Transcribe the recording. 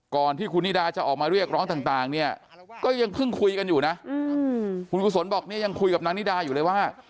ก่อนที่คุณนิดาจะออกมาเรียกร้องต่างเนี่ยก็ยังเพิ่งคุยกันอยู่นะคุณกุศลบอกเนี่ยยังคุยกับนางนิดาอยู่เลยว่า